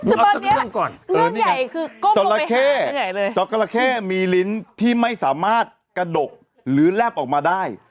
เอาทุกเรื่องก่อนเออนี่ไงจอละเข้จอละเข้มีลิ้นที่ไม่สามารถกระดกหรือแลบออกมาได้